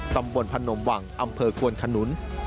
ตำบลพนมวังอำเภอกวนคนนุ้น